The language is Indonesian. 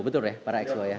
betul ya para ekso ya